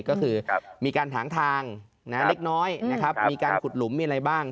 ก็คือมีการหางทางเล็กน้อยนะครับมีการขุดหลุมมีอะไรบ้าง